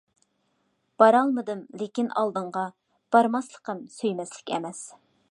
بارالمىدىم لېكىن ئالدىڭغا، بارماسلىقىم سۆيمەسلىك ئەمەس.